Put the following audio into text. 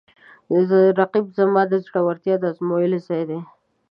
رقیب زما د زړورتیا د ازمویلو ځای دی